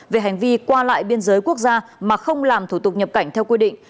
về hành vi qua lại biên giới quốc gia mà không làm thủ tục nhập cảnh theo quy định